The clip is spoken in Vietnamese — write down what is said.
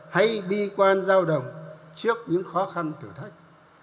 hay bi quan giao động trước những khó khăn thử thách